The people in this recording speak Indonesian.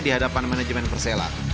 di hadapan manajemen persela